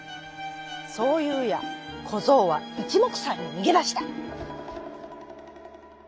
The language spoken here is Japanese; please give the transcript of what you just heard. そういうやこぞうはいちもくさんににげだした。